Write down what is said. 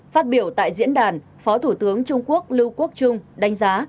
phát biểu tại diễn đàn phó thủ tướng trung quốc lưu quốc trung đánh giá